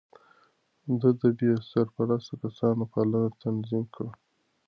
ده د بې سرپرسته کسانو پالنه تنظيم کړه.